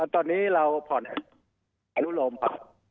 ตอนนี้เราผ่อนลูกลมค่ะ